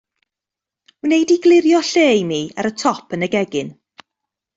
Wnei di glirio lle i mi ar y top yn y gegin.